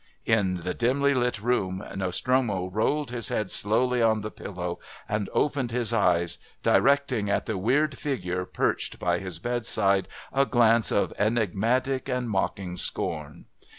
in the dimly lit room Nostromo rolled his head slowly on the pillow and opened his eyes, directing at the weird figure perched by his bedside a glance of enigmatic and mocking scorn.